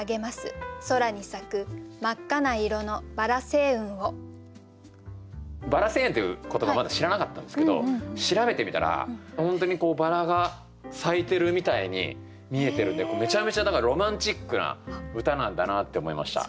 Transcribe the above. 薔薇星雲っていう言葉まだ知らなかったんですけど調べてみたら本当に薔薇が咲いてるみたいに見えてるんでめちゃめちゃロマンチックな歌なんだなって思いました。